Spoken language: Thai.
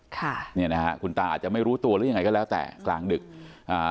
ค่ะเนี่ยนะฮะคุณตาอาจจะไม่รู้ตัวหรือยังไงก็แล้วแต่กลางดึกอ่า